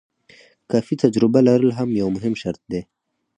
کافي تجربه لرل هم یو مهم شرط دی.